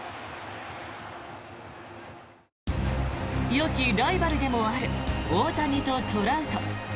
よきライバルでもある大谷とトラウト。